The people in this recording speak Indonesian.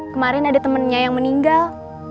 kemarin ada temannya yang meninggal